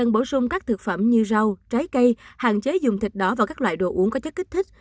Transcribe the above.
bổ sung các thực phẩm như rau trái cây hạn chế dùng thịt đỏ và các loại đồ uống có chất kích thích